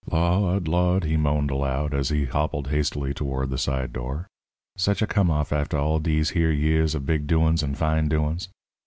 "Lawd! Lawd!" he moaned aloud, as he hobbled hastily toward the side door. "Sech a come off after all dese here years of big doin's and fine doin's.